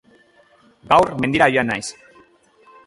Gaur mendira joan naiz